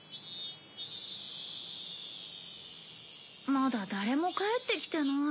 まだ誰も帰ってきてない。